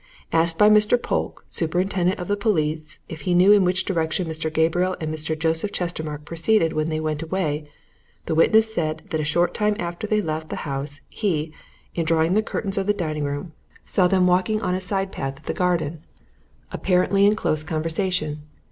Asked by Mr. Polke, superintendent of police, if he knew in which direction Mr. Gabriel and Mr. Joseph Chestermarke proceeded when they went away, the witness said that a short time after they left the house, he, in drawing the curtains of the dining room window, saw them walking in a side path of the garden, apparently in close conversation.